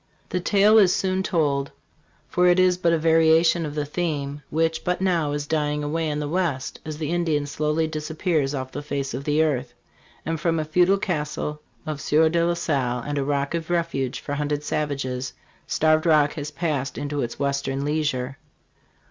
The tale is soon told; for it is but a variation of the theme which but now is dying away in the west, as the Indian slowly dis appears off the face of the earth. And from a feudaLcastle of Sieur de la Salle and a Rocjjjoi Refuge for hunted savages, Starved Rock has passed into its "western leisure."